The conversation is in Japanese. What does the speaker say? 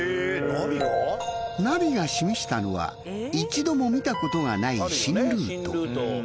ナビが示したのは一度も見たことがない新ルート。